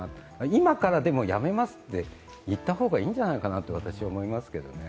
今からでも、やめますと言った方がいいんじゃないかと私は思いますけどね。